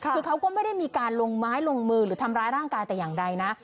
คือเขาก็ไม่ได้มีการลงไม้ลงมือหรือทำร้ายร่างกายแต่อย่างใดนะ